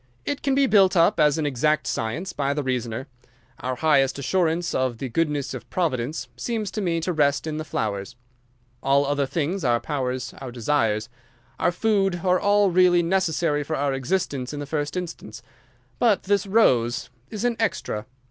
"It can be built up as an exact science by the reasoner. Our highest assurance of the goodness of Providence seems to me to rest in the flowers. All other things, our powers our desires, our food, are all really necessary for our existence in the first instance. But this rose is an extra.